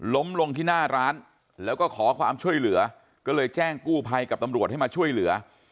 ล้มลงที่หน้าร้านแล้วก็ขอความช่วยเหลือก็เลยแจ้งกู้ภัยกับตำรวจให้มาช่วยเหลือ